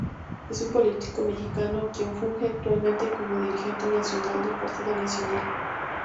Es un político mexicano, quien funge actualmente como dirigente nacional del Partido Acción Nacional.